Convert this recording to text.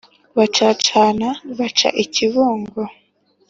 bacacana baca i kibungo